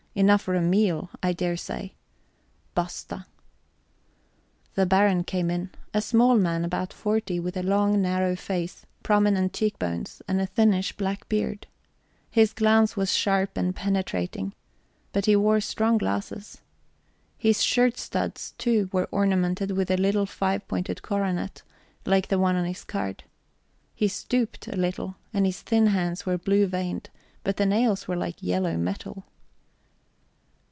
Enough for a meal, I daresay. Basta! The Baron came in. A little man, about forty, with a long, narrow face, prominent cheek bones, and a thinnish black beard. His glance was sharp and penetrating, but he wore strong glasses. His shirt studs, too, were ornamented with a little five pointed coronet, like the one on his card. He stooped a little, and his thin hands were blue veined, but the nails were like yellow metal.